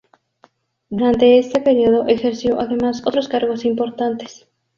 Durante este periodo ejerció, además, otros cargos importantes.